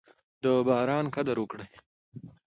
د باران قدر وکړئ.